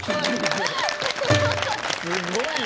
すごいな。